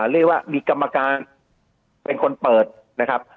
เรียกว่ามีกรรมการเป็นคนเปิดนะครับ